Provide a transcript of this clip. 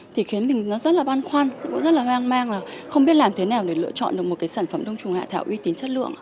thì khiến mình rất băn khoăn rất hoang mang không biết làm thế nào để lựa chọn được một sản phẩm đông trùng hạ thảo uy tín chất lượng